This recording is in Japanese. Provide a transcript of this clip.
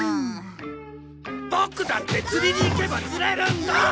ボクだって釣りに行けば釣れるんだ！